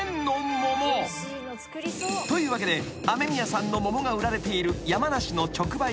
［というわけで雨宮さんの桃が売られている］